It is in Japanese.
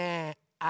あ！